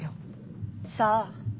さあ。